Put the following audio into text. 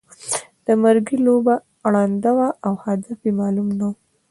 د مرګي لوبه ړنده وه او هدف یې معلوم نه وو.